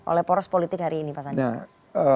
oleh poros politik hari ini pak sandi